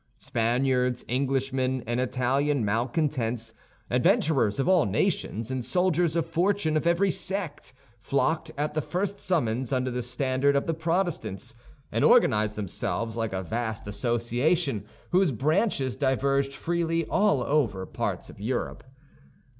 Spaniards, Englishmen, and Italian malcontents, adventurers of all nations, and soldiers of fortune of every sect, flocked at the first summons under the standard of the Protestants, and organized themselves like a vast association, whose branches diverged freely over all parts of Europe.